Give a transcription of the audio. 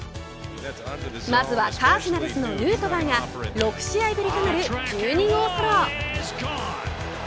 まずはカージナルスのヌートバーが６試合ぶりとなる１２号ソロ。